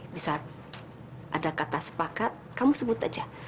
bisa ada kata sepakat kamu sebut aja